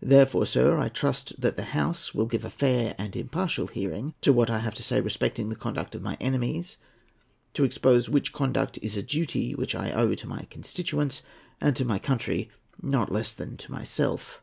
Therefore, sir, I trust that the House will give a fair and impartial hearing to what I have to say respecting the conduct of my enemies, to expose which conduct is a duty which I owe to my constituents, and to my country, not less than to myself.